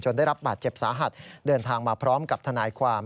ได้รับบาดเจ็บสาหัสเดินทางมาพร้อมกับทนายความ